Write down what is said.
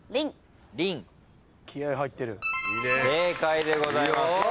正解でございます。